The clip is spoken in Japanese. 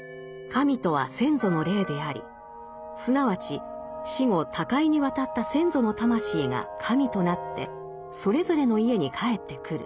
神とは先祖の霊でありすなわち死後他界に渡った先祖の魂が神となってそれぞれの家に帰ってくる。